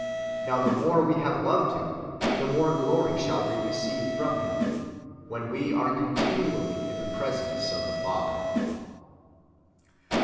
Now the more we have loved Him, the more glory shall we receive from Him, when we are continually in the presence of the Father.